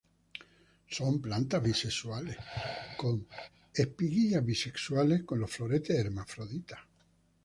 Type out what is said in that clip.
Son plantas bisexuales, con espiguillas bisexuales; con los floretes hermafroditas.